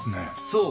そう！